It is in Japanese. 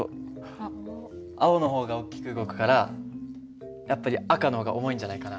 青の方が大きく動くからやっぱり赤の方が重いんじゃないかな。